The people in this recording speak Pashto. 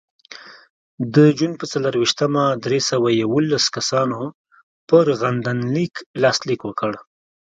د جون په څلرویشتمه درې سوه یوولس کسانو پر غندنلیک لاسلیک وکړ.